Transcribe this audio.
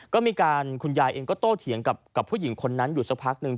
ก็มีการคุณยายเองก็โตเถียงกับผู้หญิงคนนั้นอยู่สักพักหนึ่ง